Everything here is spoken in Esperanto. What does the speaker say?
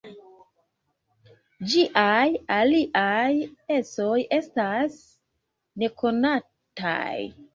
Ĝiaj aliaj ecoj estas nekonataj.